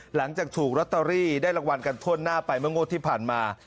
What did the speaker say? หลังจากถูกลอตเตอรี่ได้รางวัลกันทั่วหน้าไปเมื่องวดที่ผ่านมา